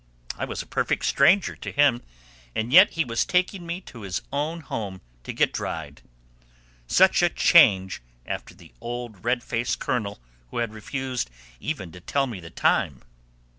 I was a perfect stranger to him, and yet he was taking me to his own home to get dried. Such a change, after the old red faced Colonel who had refused even to tell me the time!